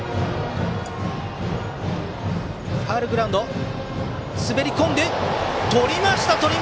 ファウルグラウンドに滑り込んでとりました！